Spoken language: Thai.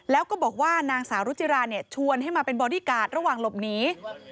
แล้วก็บอกว่านางสาวรุจิราชวนให้มาเป็นบอดี้การ์ดระหว่างหลบหนี